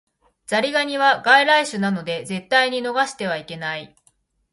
ザリガニは外来種なので絶対に逃してはいけない